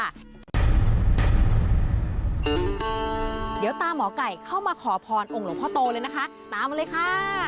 เดี๋ยวตามหมอไก่เข้ามาขอพรองค์หลวงพ่อโตเลยนะคะตามมาเลยค่ะ